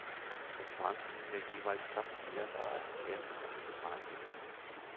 Es warnt vielmehr jeweils das Tier, das als erstes eine Gefahr entdeckt.